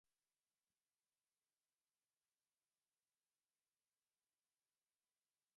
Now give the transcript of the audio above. Žganje se pije po tem, ko naredimo dobro delo.